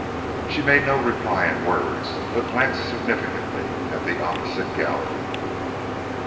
"'She made no reply in words; but glanced significantly at the opposite gallery.